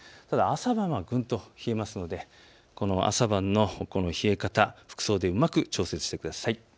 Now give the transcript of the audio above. ただ朝晩はぐんと冷えますので朝晩の冷え方服装でうまく調節してください。